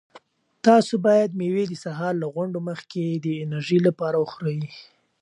تاسو باید مېوې د سهار له غونډو مخکې د انرژۍ لپاره وخورئ.